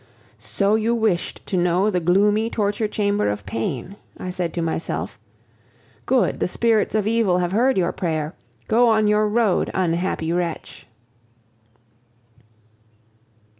"So you wished to know the gloomy torture chamber of pain!" I said to myself. Good, the spirits of evil have heard your prayer; go on your road, unhappy wretch!